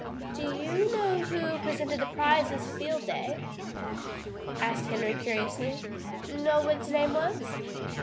"Do you know who presented the prizes Field Day?" asked Henry curiously. "Know what his name was?"